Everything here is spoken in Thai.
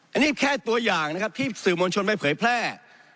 อันนี้แค่ตัวอย่างนะครับที่สื่อมวลชนไปเผยแพร่